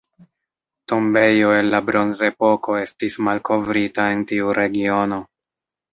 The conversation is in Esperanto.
Tombejo el la Bronzepoko estis malkovrita en tiu regiono.